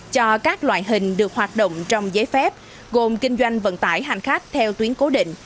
cho các loại hình được hoạt động trong giấy phép gồm kinh doanh vận tải hành khách theo tuyến cố định